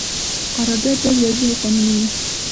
قرارداد باید واضح او قانوني وي.